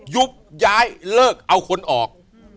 ยุบย้ายเลิกเอาคนออก